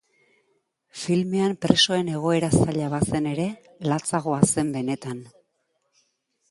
Filmean presoen egoera zaila bazen ere, latzagoa zen benetan.